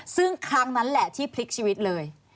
ซึ่งครั้งนั้นแหละที่พลิกชีวิตเลย